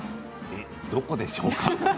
どこでしょうか？